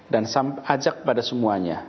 dan ajak pada semuanya